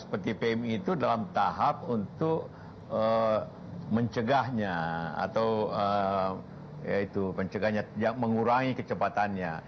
investasi tpm itu dalam tahap untuk mencegahnya atau yaitu kecepatannya tolarnya kecepatannya